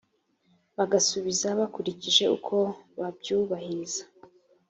bagasubiza bakurikije uko baryubahiriza